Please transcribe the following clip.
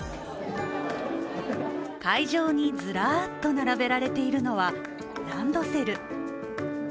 会場にずらっと並べられているのはランドセル。